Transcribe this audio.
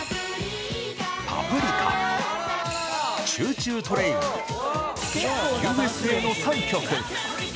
パプリカ、チューチュートレイン、Ｕ．Ｓ．Ａ．の３曲。